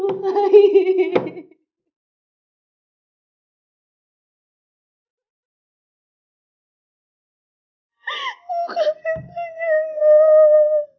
tidak tidak tidak